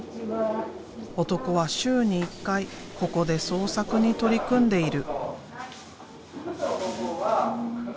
男は週に１回ここで創作に取り組んでいる。